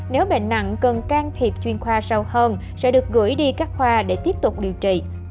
nếu bệnh nặng cần can thiệp chuyên khoa sâu hơn sẽ được gửi đi các khoa để tiếp tục điều trị